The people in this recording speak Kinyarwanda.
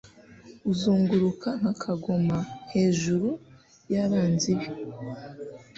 uzunguruka nka kagoma hejuru ya bagenzi be